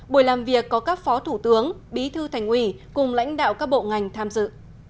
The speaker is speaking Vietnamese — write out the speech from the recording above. buổi làm việc có các phó thủ tướng bí thư thành ủy cùng lãnh đạo các bộ ngành tham dự